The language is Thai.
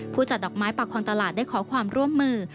จัดดอกไม้ปากคอนตลาดได้ขอความร่วมมือ